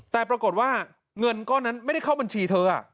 แต่ปรากฏว่าเงินก้อนนั้นไม่ได้เข้าบัญชีเธอ